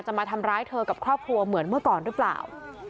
มาทำร้ายเธอกับครอบครัวเหมือนเมื่อก่อนหรือเปล่า